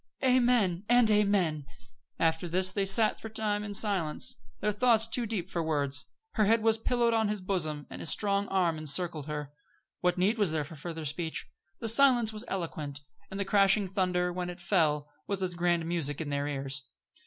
"Amen! and amen!" After this they sat for a time in silence, their thoughts too deep for words. Her head was pillowed on his bosom, and his strong arm encircled her. What need was there of further speech? The silence was eloquent; and the crashing thunder, when it fell, was as grand music in their ears.